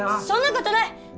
そんなことない！